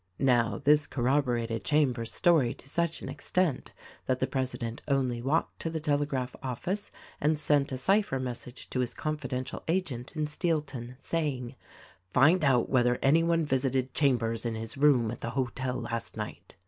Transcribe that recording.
Now, this corroborated Chambers' story to such an ex tent that the president only walked to the telegraph office and sent a cypher message to his confidential agent in Steel ton, saying, "Find out whether any one visited Chambers in his room at the hotel last night."